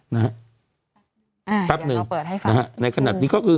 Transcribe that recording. นะฮะปั๊บหนึ่งนะฮะในขณะนี้ก็คือ